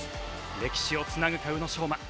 歴史をつなぐか宇野昌磨。